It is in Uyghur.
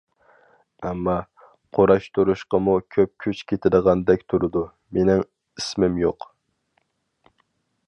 ئەمما، قۇراشتۇرۇشقىمۇ كۆپ كۈچ كېتىدىغاندەك تۇرىدۇ. مېنىڭ ئىسمىم يوق.